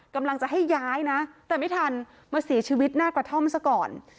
กำลังจะให้ย้ายนะแต่ไม่ทันมาเสียชีวิตหน้ากระท่อมซะก่อน